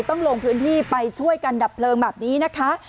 ต้องลงพื้นที่ไปช่วยกันดับเพลิงแบบนี้นะคะ